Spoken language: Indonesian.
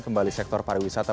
kembali sektor pariwisata